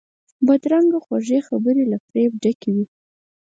بدرنګه خوږې خبرې له فریب ډکې وي